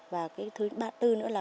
và cái thứ ba tư nữa là